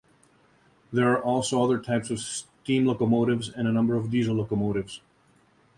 There are also other types of steam locomotives and a number of diesel locomotives.